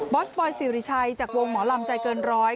สปอยสิริชัยจากวงหมอลำใจเกินร้อย